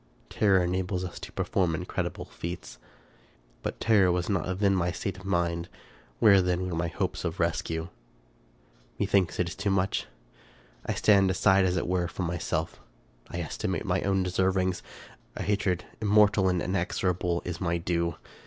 Terror enables us to perform incredible feats ; but terror was not then the state of my mind: where then were my hopes of rescue ? Methinks it is too much. I stand aside, as it were, from myself ; I estimate my own deservings ; a hatred, immortal and inexorable, is my due.